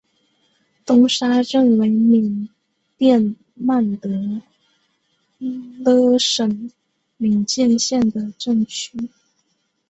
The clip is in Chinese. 东沙镇为缅甸曼德勒省敏建县的镇区。